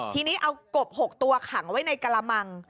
ทีนี้เอากบ๖ตัวขังไว้ในกระมัง